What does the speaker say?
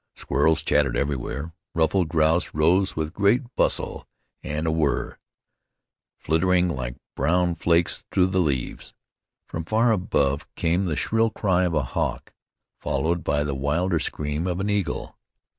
Squirrels chattered everywhere. Ruffed grouse rose with great bustle and a whirr, flitting like brown flakes through the leaves. From far above came the shrill cry of a hawk, followed by the wilder scream of an eagle.